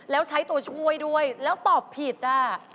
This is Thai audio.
แล้วใช้ตัวช่วยด้วยแล้วตอบผิดอ่ะ